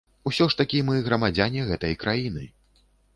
Усё ж такі мы грамадзяне гэтай краіны.